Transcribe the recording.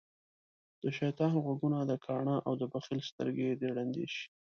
دشيطان غوږونه دکاڼه او دبخیل سترګی د ړندی شی